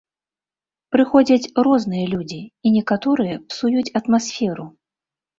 Прыходзяць розныя людзі, і некаторыя псуюць атмасферу.